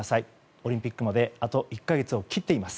オリンピックまであと１か月を切っています。